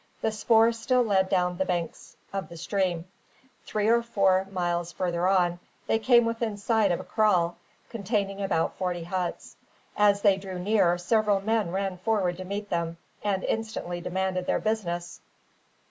The spoor still led down the bunks of the stream. Three or four miles farther on, they came within sight of a kraal, containing about forty huts. As they drew near, several men ran forward to meet them, and instantly demanded their business.